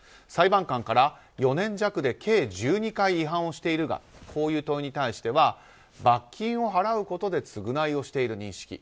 裁判官から４年弱で計１２回違反しているがというこういう問いに対しては罰金を払うことで償いをしている認識。